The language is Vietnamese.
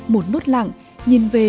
một mút lặng nhìn về